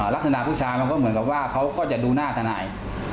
ลักษณะผู้ชายมันก็เหมือนกับว่าเขาก็จะดูหน้าทนาย